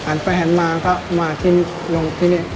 อ่านแฟนมาก็มากินลงที่นี่